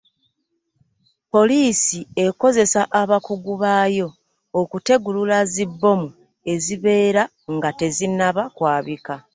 Poliisi ekozesa abakugu baayo okutegulula zibbomu ezibeera nga tezinaba kwabika.